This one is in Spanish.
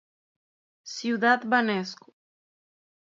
Ciudad Banesco.